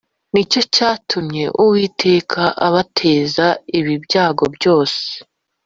Ni cyo cyatumye Uwiteka abateza ibi byago byose’ ”